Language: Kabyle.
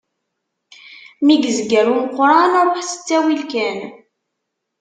Mi yezger umeqran ruḥ s ttawil kan.